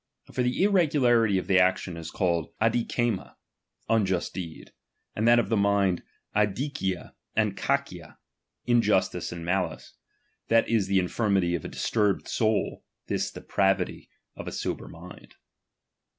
For the irregularity of the action is called aSiKij/ia, unjust deed; that of the mind dSiKJa and KOKta, irijustice and malice ; that is the infirmity of a disturbed bodI, this the pravity of a sober mind.